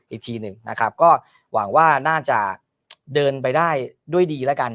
อีกทีหนึ่งนะครับก็หวังว่าน่าจะเดินไปได้ด้วยดีแล้วกัน